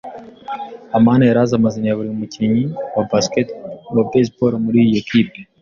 amani yari azi amazina ya buri mukinnyi wa baseball muri iyo kipe.